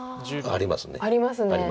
ありますね。